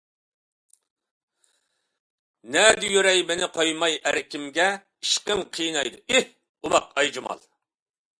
نەدە يۈرەي مېنى قويماي ئەركىمگە، ئىشقىڭ قىينايدۇ ئېھ، ئوماق ئايجامال.